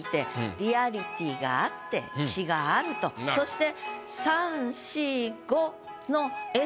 そして。